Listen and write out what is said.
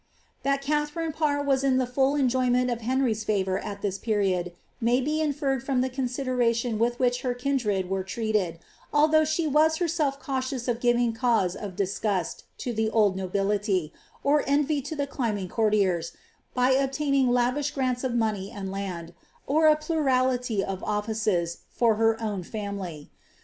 ii Katharine Parr was in the full enjoyment of Henry^s favour at &riod, may be inferred from the consideration with which her kin vere treated ; although she was herself cautious of giving cause of t to the old nobility, or envy to the climbing courtiers, by obtain vish grants of money and lands, or a plurality of offices, for her amily.